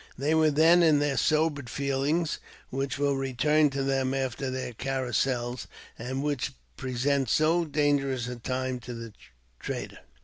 They were then in their sobered feelings, which will return to them after their carousals, and which present so dangerous a time to the trader.